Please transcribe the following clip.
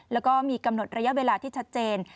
แล้วก็มีกำหนดระยะเวลาที่ชัดเจน